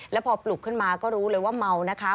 แล้วพอปลุกขึ้นมาก็รู้เลยว่าเมานะคะ